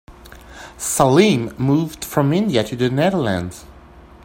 Salim moved from India to the Netherlands.